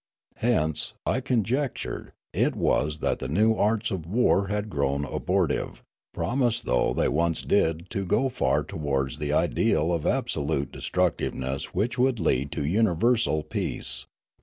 Hence, I conjectured, it was that the new arts of war had grown abortive, promise though they once did to go far towards the Broolyi 373 ideal of absolute destructiveness which would lead to universal peace.